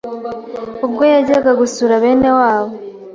Ubwo yajyaga gusura bene wabo